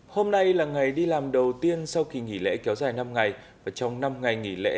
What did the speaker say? hôm nay là ngày đi làm đầu tiên sau kỳ nghỉ lễ kéo dài năm ngày và trong năm ngày nghỉ lễ